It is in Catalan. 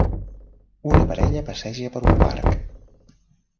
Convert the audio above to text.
una parella passeja per un parc.